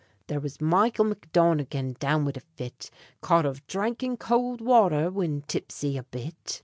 There was Michael McDonegan down wid a fit Caught av dhrinkin' cowld watther whin tipsy a bit.